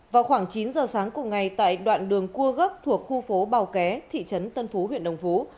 vào khoảng chín giờ sáng cùng ngày tại đoạn đường cua gốc thuộc khu phố bào ké thị trấn tân phú huyện đồng phú